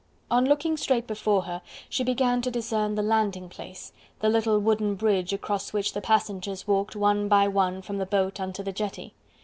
On looking straight before her, she began to discern the landing place, the little wooden bridge across which the passengers walked one by one from the boat onto the jetty.